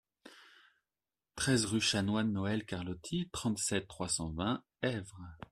treize rue Chanoine Noël Carlotti, trente-sept, trois cent vingt, Esvres